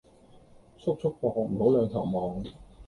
速速磅，唔好兩頭望